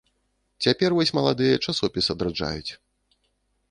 Цяпер вось маладыя часопіс адраджаюць.